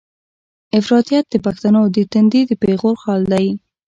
افراطيت د پښتنو د تندي د پېغور خال دی.